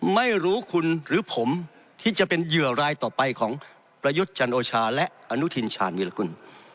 ไม่รู้คุณหรือผมที่จะเป็นเหยื่อรายต่อไปของประยุทธ์จันโอชาและอนุทินชาญวิรากุล